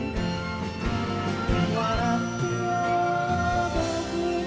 「笑ってよ